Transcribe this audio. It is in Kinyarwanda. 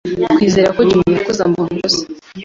Twizeraga ko Jim yakoze amakosa.